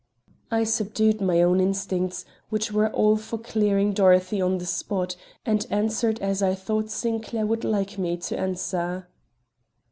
I subdued my own instincts, which were all for clearing Dorothy on the spot, and answered as I thought Sinclair would like me to answer.